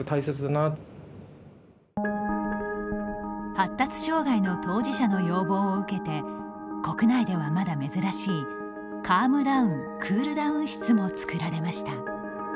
発達障害の当事者の要望を受けて国内ではまだ珍しいカームダウン・クールダウン室もつくられました。